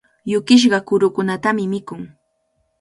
Yukishqa kurukunatami mikun.